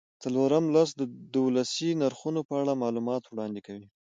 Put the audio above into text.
څلورم لوست د ولسي نرخونو په اړه معلومات وړاندې کوي.